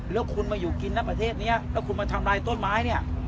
แล้วคุณมาอยู่กินนะประเทศนี้แล้วคุณมาทำลายต้นไม้เนี่ย